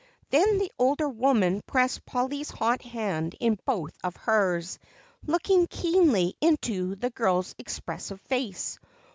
Then the older woman pressed Polly's hot hand in both of hers, looking keenly into the girl's expressive face.